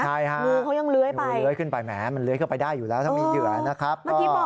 ใช่ค่ะงูเขายังเล้ยไปมันเล้ยเข้าไปได้อยู่แล้วถ้ามีเหยื่อนะครับ